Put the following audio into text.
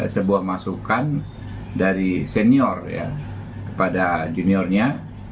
sebuah masukan dari senior kepada juniornya